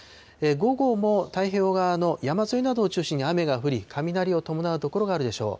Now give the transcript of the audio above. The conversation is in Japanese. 午後も太平洋側の山沿いなどを中心に雨が降り、雷を伴う所があるでしょう。